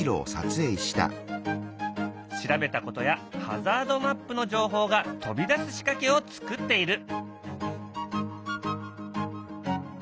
調べたことやハザードマップの情報が飛び出す仕掛けを作っている。